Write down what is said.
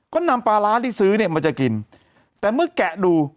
ก็นำปลาร้าที่ซื้อเนี่ยมันจะกินแต่เมื่อแกะดู